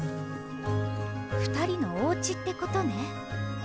２人のおうちってことね？